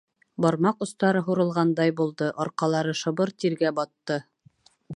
Бармаҡ остары һурылғандай булды, арҡалары шыбыр тиргә батты.